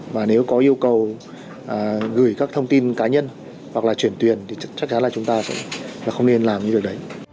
và nếu có yêu cầu gửi các thông tin cá nhân hoặc là chuyển tuyển thì chắc chắn là chúng ta sẽ không nên làm như được đấy